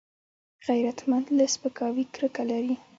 غیرتمند له سپکاوي کرکه لري